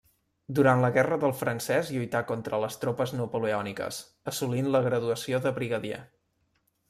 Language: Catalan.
Durant la guerra del francès lluità contra les tropes napoleòniques, assolint la graduació de brigadier.